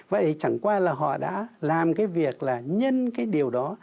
vậy chẳng qua là họ đã làm cái việc là nhân cái điều đó